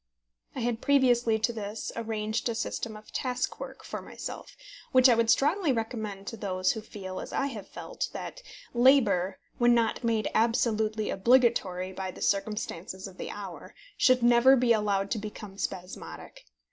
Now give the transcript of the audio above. I had previously to this arranged a system of task work for myself, which I would strongly recommend to those who feel as I have felt, that labour, when not made absolutely obligatory by the circumstances of the hour, should never be allowed to become spasmodic.